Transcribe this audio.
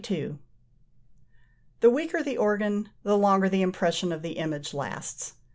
The weaker the organ the longer the impression of the image lasts.